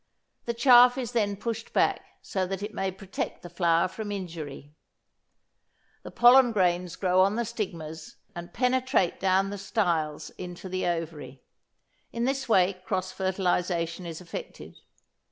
The chaff is then pushed back so that it may protect the flower from injury. The pollen grains grow on the stigmas, and penetrate down the styles into the ovary. In this way cross fertilisation is effected.